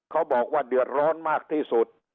เขาบอกว่าเดือดร้อนมากที่สุด